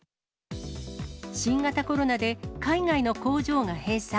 新型コロナで海外の工場が閉鎖。